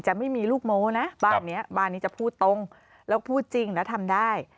ไม่มีลูกโม้นะบ้านนี้บ้านนี้จะพูดตรงแล้วพูดจริงนะทำได้